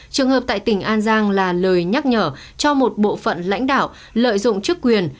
trường hợp tại tỉnh an giang là lời nhắc nhở cho một bộ phận lãnh đạo lợi dụng chức quyền